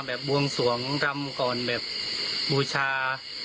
ฟังรำก่อนแบบบูชา